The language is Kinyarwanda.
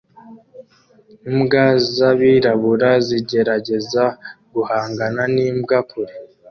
Imbwa z'abirabura zigerageza guhangana n'imbwa kure